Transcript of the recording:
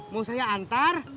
mau saya antar